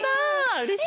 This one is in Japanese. うれしい！